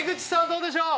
どうでしょう？